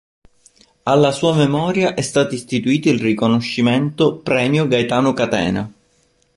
Alla sua memoria è stato istituito il riconoscimento "Premio Gaetano Catena".